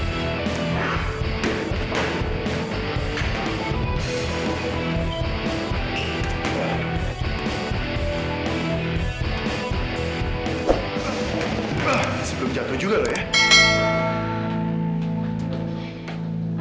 sebelum jatuh juga loh ya